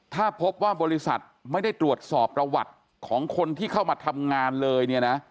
ถ้าพบว่าบริษัทไม่ได้ตรวจสอบประวัติของคนที่เข้ามาทำงานเลยเนี่ยนะ